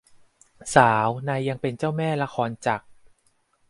สาวนายยังเป็นเจ้าแม่ละครจักร